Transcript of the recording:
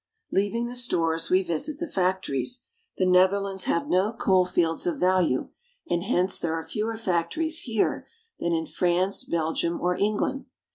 Leaving the stores, we visit the factories. The Nether lands have no coal fields of value, and hence there are fewer factories here than in France, Belgium, or England.